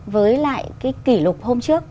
với lại cái kỷ lục hôm trước